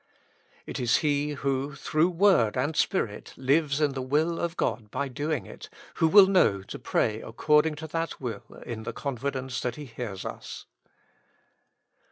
It is he who, through word and Spirit, lives in the will oi God by doing it, who will know to pray according to that will in the confidence that He hears us.